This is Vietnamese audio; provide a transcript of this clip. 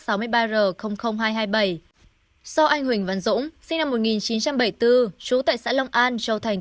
do anh huỳnh văn dũng sinh năm một nghìn chín trăm bảy mươi bốn trú tại xã long an châu thành